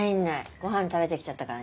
ごはん食べてきちゃったからね。